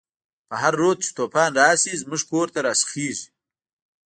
په هر رود چی توفان راشی، زمونږ کور ته راسیخیږی